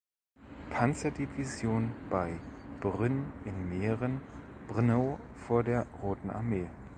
Panzerdivision bei Brünn in Mähren Brno vor der Roten Armee.